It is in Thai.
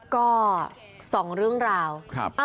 ก็สองเรื่องราว